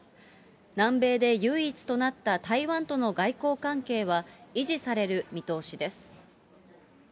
南米で唯一となった台湾との外交関係は、維持される見通しです。